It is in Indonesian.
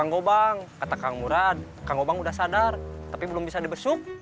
anggobang kata kang murad kang obang udah sadar tapi belum bisa di besok